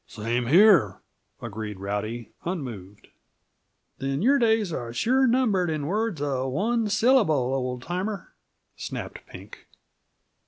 "Same here," agreed Rowdy, unmoved. "Then your days are sure numbered in words uh one syllable, old timer," snapped Pink.